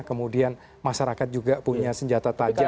kemudian masyarakat juga punya senjata tajam